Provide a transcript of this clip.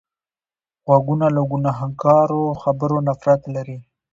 غوږونه له ګناهکارو خبرو نفرت لري